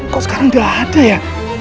kok sekarang udah ada ya